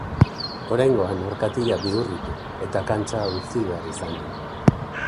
Oraingoan orkatila bihurritu eta kantxa utzi behar izan du.